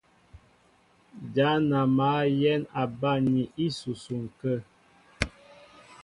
Ján a mǎl yɛ̌n a banmni ísusuŋ kə̂.